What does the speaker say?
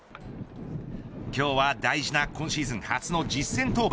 今日は大事な今シーズン初の実戦登板。